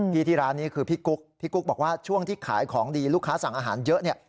ที่ร้านนี้คือพี่กุ๊กพี่กุ๊กบอกว่าช่วงที่ขายของดีลูกค้าสั่งอาหารเยอะเนี่ย